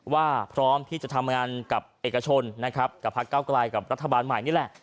พร้อมที่จะทำงานกับเอกชนนะครับกับพักเก้าไกลกับรัฐบาลใหม่นี่แหละ